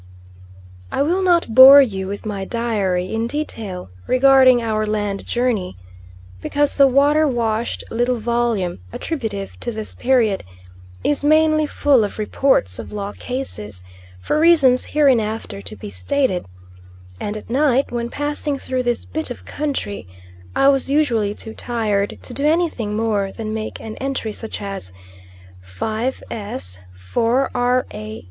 I will not bore you with my diary in detail regarding our land journey, because the water washed little volume attributive to this period is mainly full of reports of law cases, for reasons hereinafter to be stated; and at night, when passing through this bit of country, I was usually too tired to do anything more than make an entry such as: "5 S., 4 R. A.